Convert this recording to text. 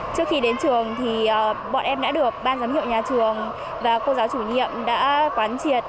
trước khi đến trường thì bọn em đã được ban giám hiệu nhà trường và cô giáo chủ nhiệm đã quán triệt